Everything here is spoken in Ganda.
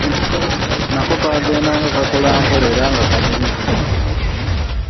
Nako kagendanga kakula mpola era nga kanyirivu nnyo.